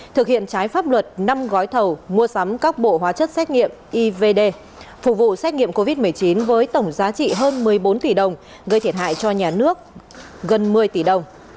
thực hiện trái pháp luật năm gói thầu mua sắm các bộ hóa chất xét nghiệm ivd phục vụ xét nghiệm covid một mươi chín với tổng giá trị hơn một mươi bốn tỷ đồng gây thiệt hại cho nhà nước gần một mươi tỷ đồng